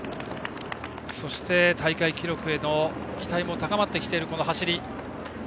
そして、大会記録への期待も高まってきているこの走り。